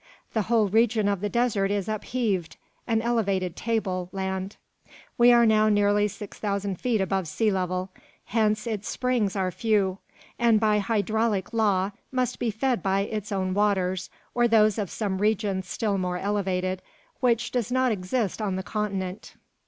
The whole region of the desert is upheaved an elevated table land. We are now nearly six thousand feet above sea level. Hence its springs are few; and by hydraulic law must be fed by its own waters, or those of some region still more elevated, which does not exist on the continent.